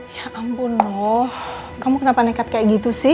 ya ampun loh kamu kenapa nekat kayak gitu sih